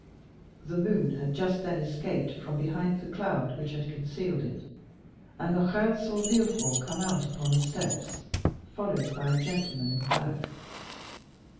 The moon had just then escaped from behind the cloud which had concealed it, and Morrel saw Villefort come out upon the steps, followed by a gentleman in black.